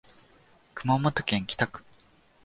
熊本市北区